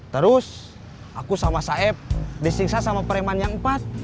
terus aku sama saeb disingkat sama preman yang empat